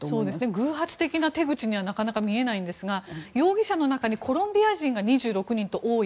偶発的な手口にはなかなか見えないんですが容疑者の中にコロンビア人が２６人と多い。